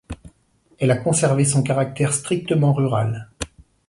Elle a conservé son caractère strictement rural.